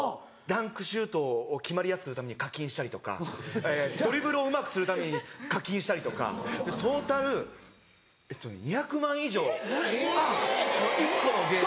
ダンクシュートを決まりやすくするために課金したりとかえぇドリブルをうまくするために課金したりとかトータルえっとね２００万以上その１個のゲーム。